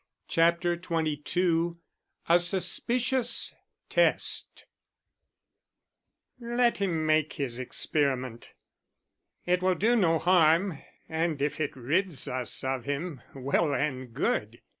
CHAPTER XXII A SUSPICIOUS TEST "Let him make his experiment. It will do no harm, and if it rids us of him, well and good."